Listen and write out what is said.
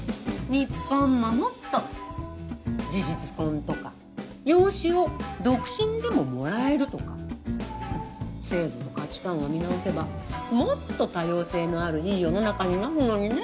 日本ももっと事実婚とか養子を独身でももらえるとか制度と価値観を見直せばもっと多様性のあるいい世の中になるのにね。